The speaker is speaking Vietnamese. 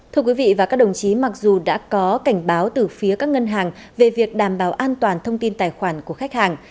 thưa quý vị và các đồng chí mặc dù đã có cảnh báo từ phía các ngân hàng về việc đảm bảo an toàn thông tin tài khoản của khách hàng